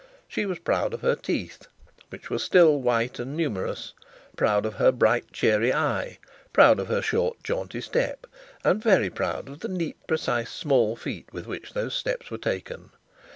She was proud of her teeth, which were still white and numerous, proud of her bright cheery eye, proud of her short jaunty step, and very proud of the neat, precise, small feet with which those steps were taken.